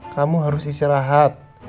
kamu harus istirahat